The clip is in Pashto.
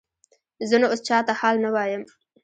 زه نو اوس چاته حال نه وایم.